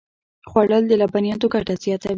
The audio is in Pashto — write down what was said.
خوړل د لبنیاتو ګټه زیاتوي